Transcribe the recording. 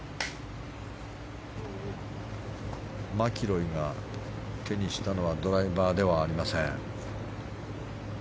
マキロイが手にしたのはドライバーではありません。